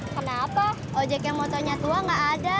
kenapa ojek yang motonya tua gak ada